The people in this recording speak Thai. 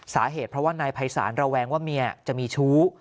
สาเหตุเพราะว่านายภัยศาลระแวงว่าเมียจะมีชู้